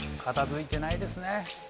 「片付いてないですね」